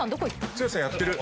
剛さんやってる。